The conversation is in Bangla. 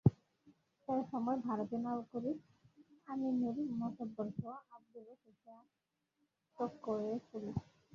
এ সময় ভারতীয় নাগরিক আমিনুর মাতব্বরসহ আবদুর রশিদকে আটক করে পুলিশ।